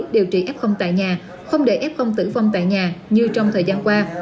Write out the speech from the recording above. điều trị f tại nhà không để f tử vong tại nhà như trong thời gian qua